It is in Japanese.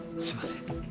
すいません。